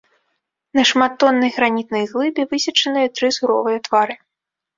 На шматтоннай гранітнай глыбе высечаныя тры суровыя твары.